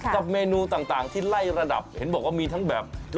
กับเมนูต่างที่ไร้ระดับ